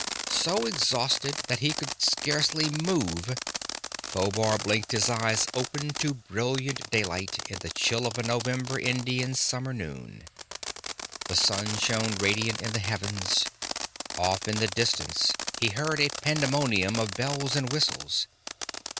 So exhausted that he could scarcely move, Phobar blinked his eyes open to brilliant daylight in the chill of a November Indian summer noon. The sun shone radiant in the heavens; off in the distance he heard a pandemonium of bells and whistles.